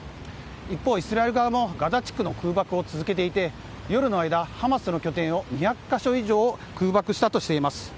一方、イスラエル側もガザ地区の空爆を続けていて夜の間ハマスの拠点を２００か所以上空爆したとしています。